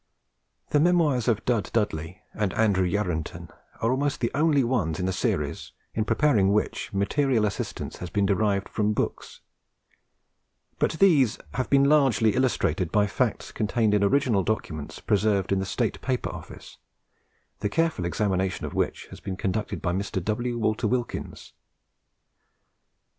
The memoirs of Dud Dudley and Andrew Yarranton are almost the only ones of the series in preparing which material assistance has been derived from books; but these have been largely illustrated by facts contained in original documents preserved in the State Paper Office, the careful examination of which has been conducted by Mr. W. Walker Wilkins.